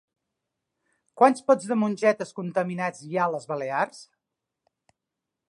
Quants pots de mongetes contaminats hi ha a les Balears?